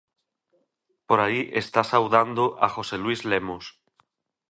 Por aí está saudando a José Luís Lemos.